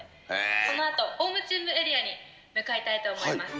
このあと、ホームチームエリアに向かいたいと思います。